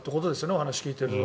お話を聞いていると。